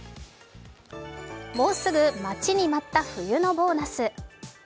もうすぐ待ちに待った冬のボーナス。